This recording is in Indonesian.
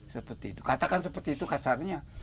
seperti itu katakan seperti itu kasarnya